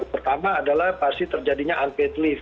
pertama adalah pasti terjadinya unfit leave